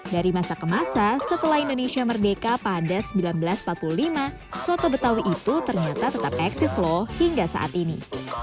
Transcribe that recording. dari masa ke masa setelah indonesia merdeka pada seribu sembilan ratus empat puluh lima soto betawi itu ternyata tetap eksis loh hingga saat ini